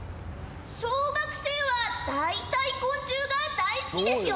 小学生はだいたい昆虫が大好きですよね。